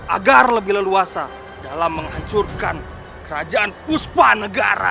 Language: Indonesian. agar lebih leluasa dalam menghancurkan kerajaan puspa negara